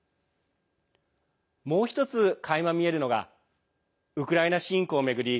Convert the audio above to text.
もう１つ、かいま見えるのがウクライナ侵攻を巡り